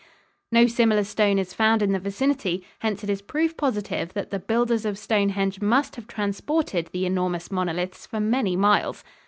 No similar stone is found in the vicinity; hence it is proof positive that the builders of Stonehenge must have transported the enormous monoliths for many miles.